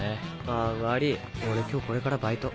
あ悪ぃ俺今日これからバイト。